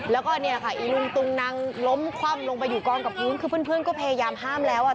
แล้วก็เนี่ยค่ะอีลุงตุงนังล้มคว่ำลงไปอยู่กองกับพื้นคือเพื่อนก็พยายามห้ามแล้วอ่ะ